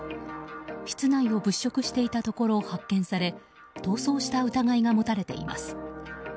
室内を物色していたところ発見され逃走した疑いが持たれています。